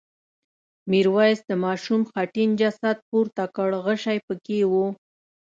میرويس د ماشوم خټین جسد پورته کړ غشی پکې و.